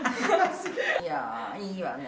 いやー、いいわね。